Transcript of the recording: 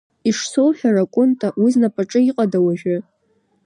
Ишсоуҳәара, Кәынта, уи знапаҿы иҟада уажәы?